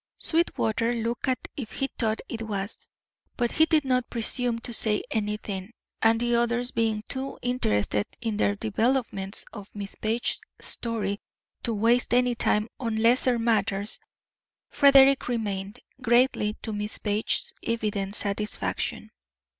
Sweetwater looked as if he thought it was, but he did not presume to say anything, and the others being too interested in the developments of Miss Page's story to waste any time on lesser matters, Frederick remained, greatly to Miss Page's evident satisfaction.